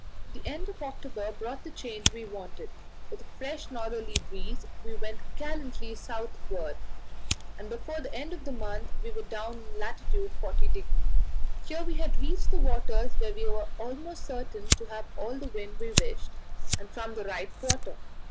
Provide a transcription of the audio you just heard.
The end of October brought the change we wanted; with a fresh northerly breeze she went gallantly southward, and before the end of the month we were down in lat. 40°. Here we had reached the waters where we were almost certain to have all the wind we wished, and from the right quarter.